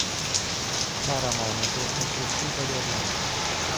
Kara Monaco è cresciuta ad Orlando.